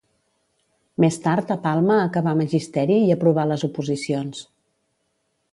Més tard a Palma acabà Magisteri i aprovà les oposicions.